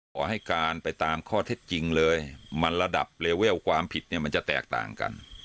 ขอให้การไปตามข้อเท็จจริงเลยมันระดับเลเวลความผิดเนี่ยมันจะแตกต่างกัน